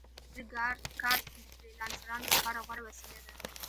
د پیونیر کارډ د فریلانسرانو لپاره غوره وسیله ده.